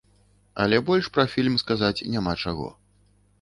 Але больш пра фільм сказаць няма чаго.